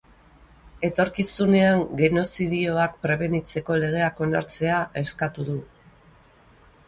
Etorkizunean genozidioak prebenitzeko legeak onartzea eskatu du.